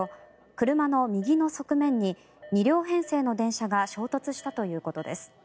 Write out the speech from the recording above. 車の右の側面に２両編成の電車が衝突したということです。